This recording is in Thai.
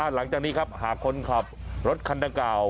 หลังจากนี้ครับหากคนขับรถคันดังกล่าว